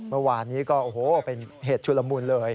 เมื่อวานนี้ก็โอ้โหเป็นเหตุชุลมุนเลย